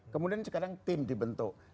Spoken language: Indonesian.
kemudian sekarang tim dibentuk